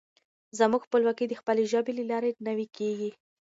زموږ خپلواکي د خپلې ژبې له لارې نوي کېږي.